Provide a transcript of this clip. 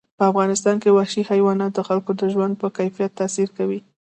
په افغانستان کې وحشي حیوانات د خلکو د ژوند په کیفیت تاثیر کوي.